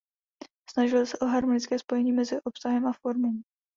Snažili se o harmonické spojení mezi obsahem a formou.